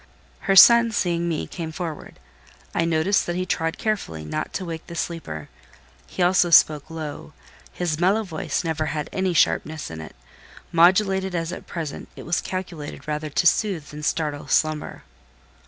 Her son seeing me, came forward. I noticed that he trod carefully, not to wake the sleeper; he also spoke low: his mellow voice never had any sharpness in it; modulated as at present, it was calculated rather to soothe than startle slumber.